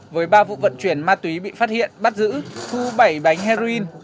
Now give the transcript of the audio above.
với ba vụ vận chuyển ma túy bị phát hiện bắt giữ thu bảy bánh heroin